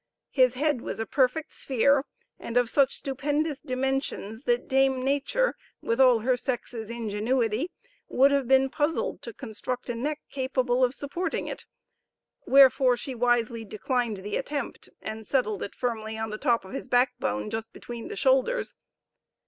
His head was a perfect sphere, and of such stupendous dimensions, that Dame Nature, with all her sex's ingenuity, would have been puzzled to construct a neck capable of supporting it; wherefore, she wisely declined the attempt, and settled it firmly on the top of his backbone; just between the shoulders.